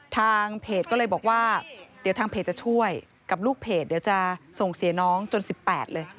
ทางเพจก็เลยบอกว่าเดี๋ยวทางเพจจะช่วยกับลูกเพจเดี๋ยวจะส่งเสียน้องจน๑๘เลย